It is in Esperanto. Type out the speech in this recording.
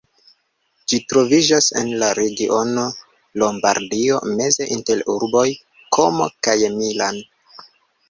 Ĝi troviĝas en la regiono Lombardio, meze inter urboj Komo kaj Milan.